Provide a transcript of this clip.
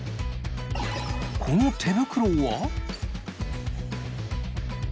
この手袋は？